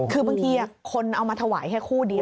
คือบางทีคนเอามาถวายแค่คู่เดียว